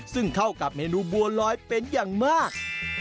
ซึ่งเข้ากับเมนูบัวลอยเป็นอย่างมาก